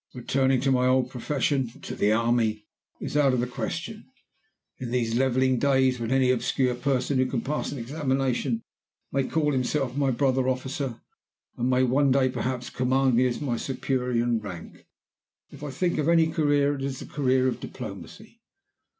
Returning to my old profession to the army is out of the question, in these leveling days, when any obscure person who can pass an examination may call himself my brother officer, and may one day, perhaps, command me as my superior in rank. If I think of any career, it is the career of diplomacy.